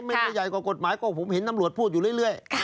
ไม่ใหญ่กว่ากฎหมายก็ผมเห็นตำรวจพูดอยู่เรื่อย